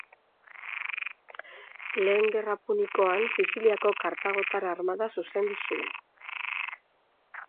Lehen Gerra Punikoan Siziliako kartagotar armada zuzendu zuen.